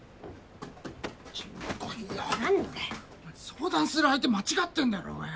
相談する相手間違ってんだろうがよ。